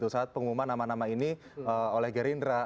saat pengumuman nama nama ini oleh gerindra